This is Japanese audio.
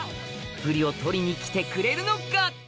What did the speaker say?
プリを撮りに来てくれるのか？